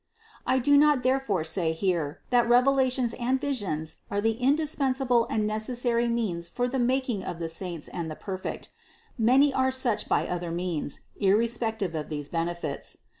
618. I do not therefore say here, that revelations and visions are the indispensable and necessary means for the making of the saints and the perfect; many are such by other means, irrespective of these benefits.